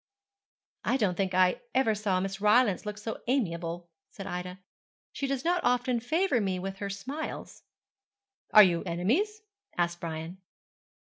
'I don't think I ever saw Miss Rylance look so amiable,' said Ida. 'She does not often favour me with her smiles.' 'Are you enemies?' asked Brian.